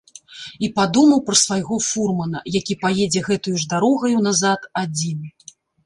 І падумаў пра свайго фурмана, які паедзе гэтаю ж дарогаю назад адзін.